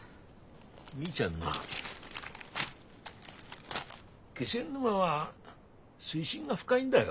みーちゃんな気仙沼は水深が深いんだよ。